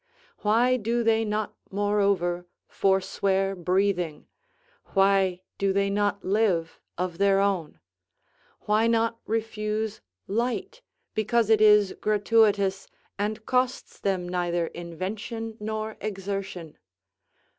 Why do they not, moreover, forswear breathing? why do they not live of their own? why not refuse light, because it is gratuitous, and costs them neither invention nor exertion?